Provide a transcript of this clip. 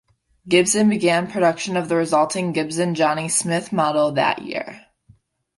Gibson began production of the resulting Gibson Johnny Smith model that year.